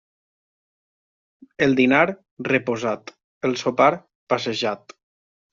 El dinar, reposat; el sopar, passejat.